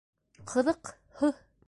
Ҡыҙыҡ, һы...